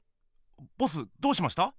ボスどうしました？